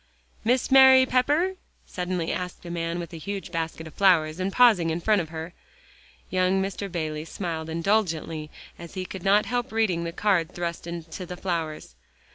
"Miss Mary Pepper?" suddenly asked a man with a huge basket of flowers, and pausing in front of her. Young Mr. Bayley smiled indulgently as he could not help reading the card thrust into the flowers.